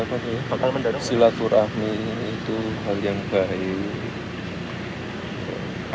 banget ya pakullah mendorong silaturahmi itu yang baik